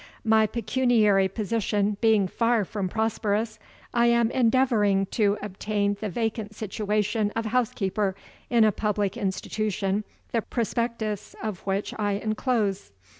My pecuniary position being far from prosperous, I am endeavoring to obtain the vacant situation of housekeeper in a public institution the prospectus of which I inclose.